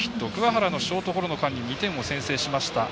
鍬原のショートゴロの間に２点を先制しました。